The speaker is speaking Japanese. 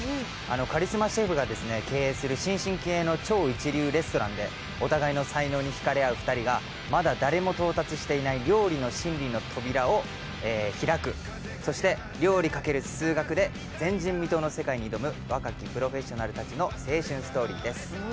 カリスマシェフが経営する新進気鋭の超一流レストランでお互いの才能にひかれ合う２人が、まだ誰も到達していない料理の心理の扉を開く、そして料理×数学で前人未到の世界に挑む若きプロフェッショナルたちの青春ストーリーです。